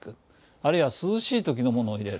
あるいは涼しい時のものを入れる。